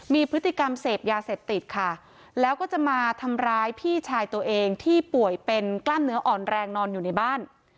มีพฤติกรรมเสพยาเสพติดค่ะแล้วก็จะมาทำร้ายพี่ชายตัวเองที่ป่วยเป็นกล้ามเนื้ออ่อนแรงนอนอยู่ในบ้าน